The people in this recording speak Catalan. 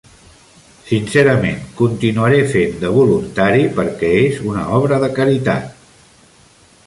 Sincerament, continuaré fent de voluntari perquè és una obra de caritat.